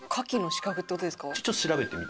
ちょっと調べてみた。